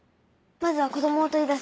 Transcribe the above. まずは子供を取り出す。